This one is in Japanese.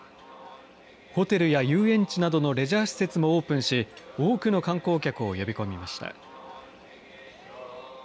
ホテルや遊園地などのレジャー施設もオープンし、多くの観光客を呼び込みました。